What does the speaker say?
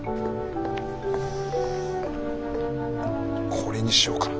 これにしようかな。